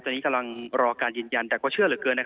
ตอนนี้กำลังรอการยืนยันแต่ก็เชื่อเหลือเกิน